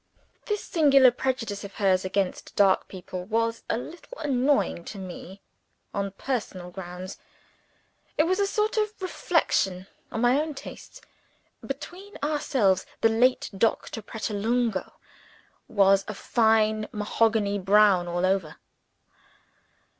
This singular prejudice of hers against dark people was a little annoying to me on personal grounds. It was a sort of reflection on my own taste. Between ourselves, the late Doctor Pratolungo was of a fine mahogany brown all over.